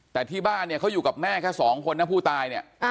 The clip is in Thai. แต่ที่บ้านเนี่ยเขาอยู่กับแม่แค่สองคนนะผู้ตายเนี่ย